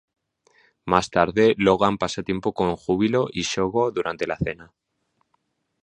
Más tarde, Logan pasa tiempo con Júbilo y Shogo durante la cena.